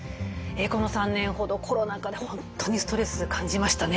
この３年ほどコロナ禍で本当にストレス感じましたね。